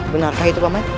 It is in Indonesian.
benarkah itu paman